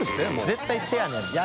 絶対手やねん。